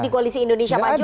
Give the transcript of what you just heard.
di koalisi indonesia maju